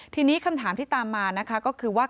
ทีนี้คำถามที่ตามมานะคะก็คือว่า